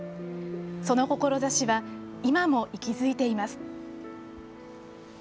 その志は今も息づいています。